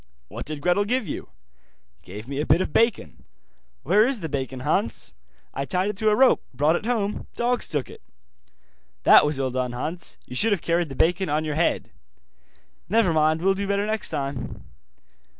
'What did Gretel give you?' 'Gave me a bit of bacon.' 'Where is the bacon, Hans?' 'I tied it to a rope, brought it home, dogs took it.' 'That was ill done, Hans, you should have carried the bacon on your head.' 'Never mind, will do better next time.